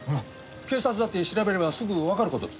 警察だって調べればすぐわかる事。